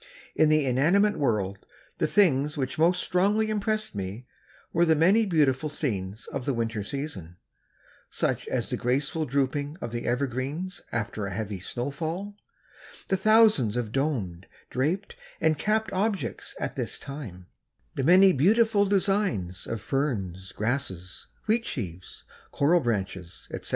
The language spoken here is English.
In the inanimate world the things which most strongly impressed me were the many beautiful scenes of the winter season, such as the graceful drooping of the evergreens after a heavy snow fall; the thousands of domed, draped and capped objects at this time; the many beautiful designs of ferns, grasses, wheat sheaves, coral branches, etc.